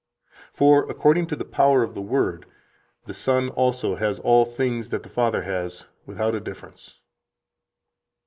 For, according to the power of the Word, the Son also has all things that the Father has, without a difference."